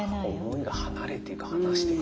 思いが離れていくはなしていく。